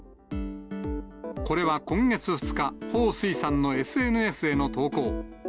これは今月２日、彭帥さんのＳＮＳへの投稿。